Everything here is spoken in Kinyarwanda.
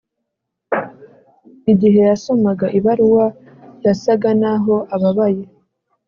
igihe yasomaga ibaruwa, yasaga naho ababaye.